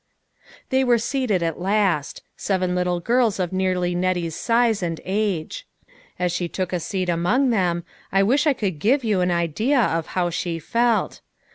They were seated at last. Seven little girls of nearly Nettie's size and age. As she took a seat among them, I wish I could give you an idea of how she felt.